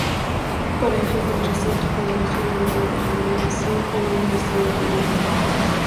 Por ello el recinto cambió su nombre de Laminación a Laminación-Gudín.